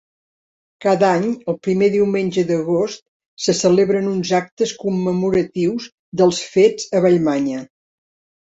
Cada any, el primer diumenge d'agost, se celebren uns actes commemoratius dels fets a Vallmanya.